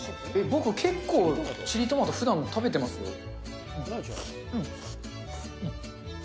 僕、結構、チリトマト、ふだん食べてますよ。